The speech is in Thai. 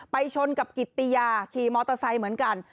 ชนกับกิตติยาขี่มอเตอร์ไซค์เหมือนกัน